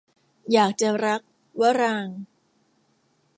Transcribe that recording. อยากจะรัก - วรางค์